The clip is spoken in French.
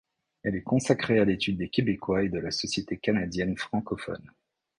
Elle est consacrée à l'étude des Québécois et de la société canadienne francophone.